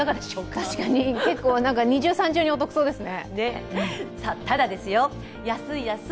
確かに結構、二重、三重にお得そうですね。